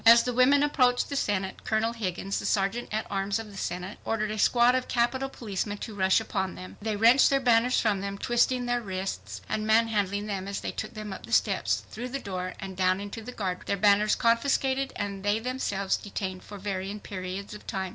As the women approached the Senate, Colonel Higgins, the Sergeant at Arms of the Senate, ordered a squad of Capitol policemen to rush upon them. They wrenched their banners from them, twisting their wrists and manhandling them as they took them up the steps, through the door, and down into the guardroom,—their banners confiscated and they themselves detained for varying periods of time.